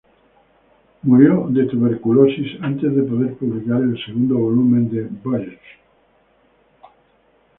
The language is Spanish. Murió de tuberculosis antes de poder publicar el segundo volumen de "Voyage...".